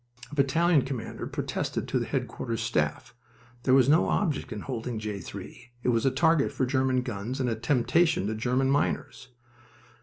A battalion commander protested to the Headquarters Staff. There was no object in holding J. 3. It was a target for German guns and a temptation to German miners.